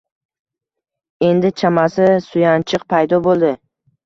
Endi, chamasi, suyanchiq paydo bo’ldi